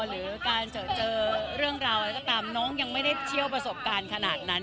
หรือการเจอเรื่องราวอะไรก็ตามน้องยังไม่ได้เชี่ยวประสบการณ์ขนาดนั้น